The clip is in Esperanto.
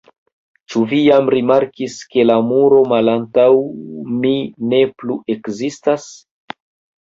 Ĉu vi jam rimarkis ke la muro malantaŭ mi ne plu ekzistas?